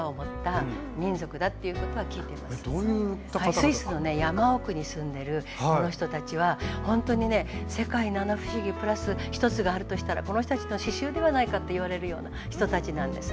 スイスの山奥に住んでるこの人たちはほんとにね世界七不思議プラス一つがあるとしたらこの人たちの刺しゅうではないかっていわれるような人たちなんです。